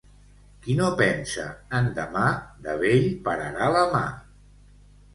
Qui no pensa en demà, de vell pararà la mà.